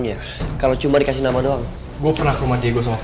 jangan lupa like share dan subscribe ya